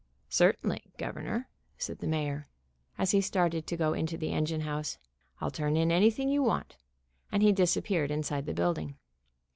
"Certainly, Governor," said the mayor, as he started to go into the engine house. "I'll turn in any thing you want," and he disappeared inside the build ing.